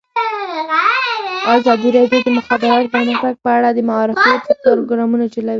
ازادي راډیو د د مخابراتو پرمختګ په اړه د معارفې پروګرامونه چلولي.